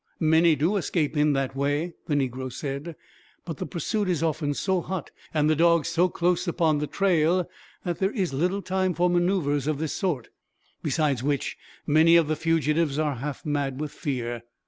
"Many do escape in that way," the negro said; "but the pursuit is often so hot, and the dogs so close upon the trail, that there is little time for maneuvers of this sort; beside which, many of the fugitives are half mad with fear.